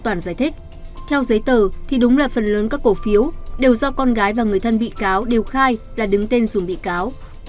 trương toàn giải thích theo giấy tờ thì đúng là phần lớn các cổ phiếu đều do con gái và người thân bị cáo đều khai là đứng tên dùm bị cáo